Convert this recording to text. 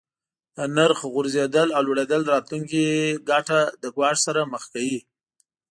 د نرخ غورځیدل او لوړیدل راتلونکې ګټه له ګواښ سره مخ کوي.